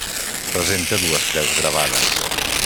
Presenta dues creus gravades.